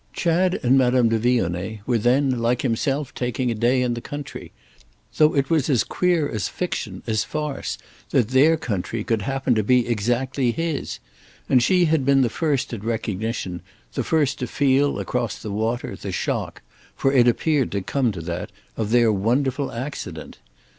Chad and Madame de Vionnet were then like himself taking a day in the country—though it was as queer as fiction, as farce, that their country could happen to be exactly his; and she had been the first at recognition, the first to feel, across the water, the shock—for it appeared to come to that—of their wonderful accident.